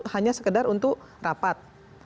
hanya sekedar untuk rapat